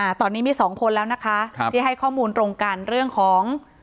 ตอนนี้มีสองคนแล้วนะคะครับที่ให้ข้อมูลตรงกันเรื่องของ